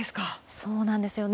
そうなんですよね。